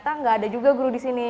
ternyata gak ada juga guru di sini